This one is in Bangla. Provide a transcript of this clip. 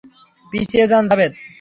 পিছিয়ে যান, জাভেদ!